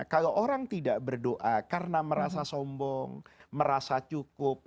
kalau orang tidak berdoa karena merasa sombong merasa cukup